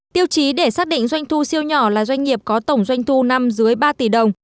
tiêu chí để xác định doanh thu siêu nhỏ là doanh nghiệp có tổng doanh thu năm dưới ba tỷ đồng